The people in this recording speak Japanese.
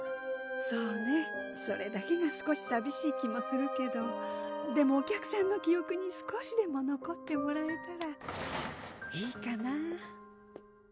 そうねそれだけが少しさびしい気もするけどでもお客さんの記憶に少しでものこってもらえたらいいかな